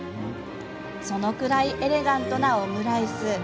それくらいエレガントなオムライス。